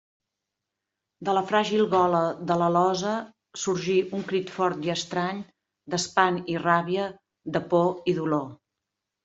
De la fràgil gola de l'alosa sorgí un crit fort i estrany, d'espant i ràbia, de por i dolor.